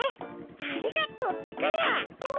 ありがとうってか。